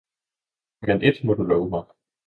– men ét må du love mig!